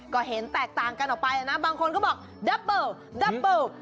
ก็เห็นแตกต่างกันออกไปนะบางคนก็บอกดับเบอร์ดับเบอร์